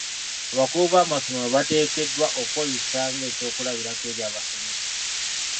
Abakulu b'amasomero bateekeddwa okweyisa ng'ekyokulabirako eri abasomesa.